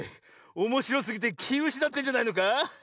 おもしろすぎてきうしなってんじゃないのか？